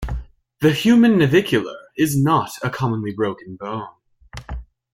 The human navicular is not a commonly broken bone.